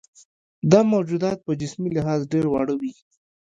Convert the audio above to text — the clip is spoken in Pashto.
دا موجودات په جسمي لحاظ ډېر واړه وي.